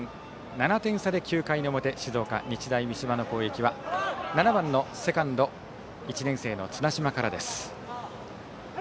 ７点差で９回の表静岡・日大三島の攻撃は７番のセカンド１年生の綱島からです。